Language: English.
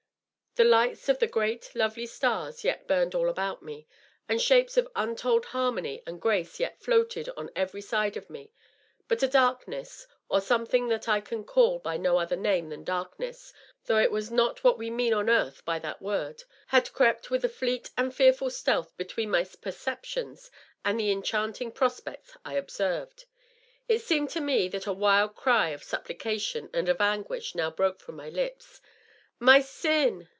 The lights of the great, lovely stars yet burned all about me, and shapes of untold harmony and grace yet floated on every side of me, but a darkness— or s(:)mething that I can call by no other name than darkness, though it was not what we mean on earth by that word — had crept with a fleet and fearful stealth between my perceptions and the enchanting prospects I observed. .. It seemed to me that a wild cry of supplication and of anguish now broke from my lips. " Jtfy %in!